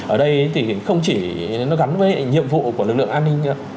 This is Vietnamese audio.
ở đây thì không chỉ gắn với nhiệm vụ của lực lượng an ninh